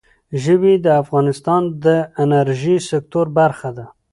ژبې د افغانستان د انرژۍ سکتور برخه ده.